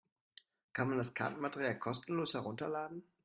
Kann man das Kartenmaterial kostenlos herunterladen?